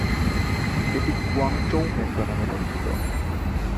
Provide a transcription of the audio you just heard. এটি Guangzhou metro নামে পরিচিত।